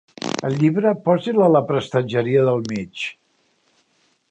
El llibre, posi'l a la prestatgeria del mig.